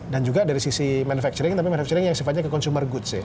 dan juga dari sisi manufacturing tapi manufacturing yang sifatnya ke consumer goods ya